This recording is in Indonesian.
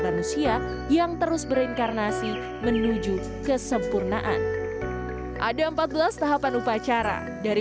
manusia yang terus berinkarnasi menuju kesempurnaan ada empat belas tahapan upacara dari